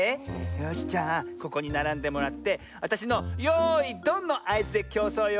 よしじゃあここにならんでもらってわたしのよいドンのあいずできょうそうよ。